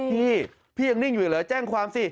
พี่พี่ยังนิ่งอยู่เหรอแจ้งความสิ